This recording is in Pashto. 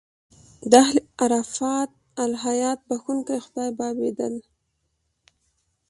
د اهل عرفان الهیات بخښونکی خدای بابېدل.